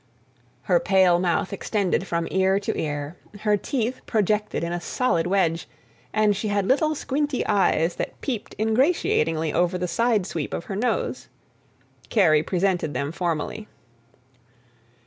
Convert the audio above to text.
Her pale mouth extended from ear to ear, her teeth projected in a solid wedge, and she had little, squinty eyes that peeped ingratiatingly over the side sweep of her nose. Kerry presented them formally.